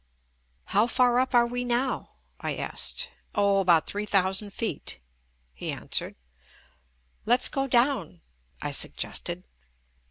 "How far up are we now?" I asked. "Oh, about three thousand feet," he answered. "Let's go down," I suggested.